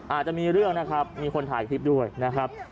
อาจจะมีเรื่องนะครับมีคนถ่ายคลิปด้วยนะครับ